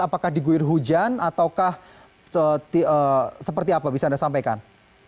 apakah diguir hujan ataukah seperti apa bisa anda sampaikan